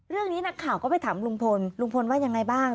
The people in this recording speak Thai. เรื่องนี้นักข่าวก็ไปถามลุงพลลุงพลว่ายังไงบ้าง